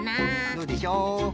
どうでしょう？